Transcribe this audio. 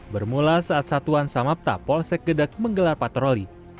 bermula saat satuan samapta polsek gedek menggelar patroli